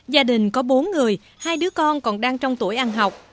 gia đình có bốn người hai đứa con còn đang trong tuổi ăn học